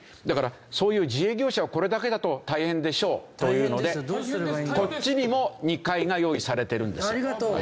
だからそういう自営業者はこれだけだと大変でしょうというのでこっちにも２階が用意されてるんですよ。